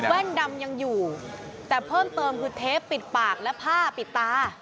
ดำยังอยู่แต่เพิ่มเติมคือเทปปิดปากและผ้าปิดตา